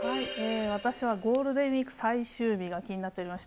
私はゴールデンウィーク最終日が気になっています。